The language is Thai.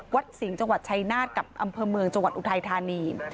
สิงห์จังหวัดชายนาฏกับอำเภอเมืองจังหวัดอุทัยธานี